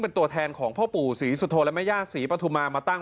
เป็นตัวแทนของพ่อปู่ศรีสุโธและแม่ย่าศรีปฐุมามาตั้ง